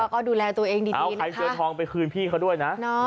ก็ดูแลตัวเองดีเอาใครเจอทองไปคืนพี่เขาด้วยนะ